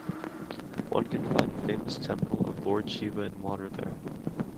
One can find a famous temple of Lord Shiva in Water there.